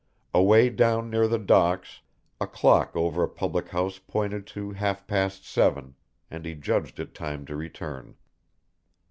Away down near the docks, a clock over a public house pointed to half past seven, and he judged it time to return.